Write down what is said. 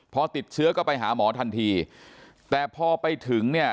พอติดเชื้อก็ไปหาหมอทันทีแต่พอไปถึงเนี่ย